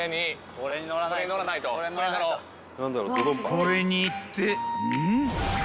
［これにってんっ？］